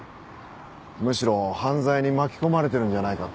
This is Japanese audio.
むしろ犯罪に巻き込まれてるんじゃないかって。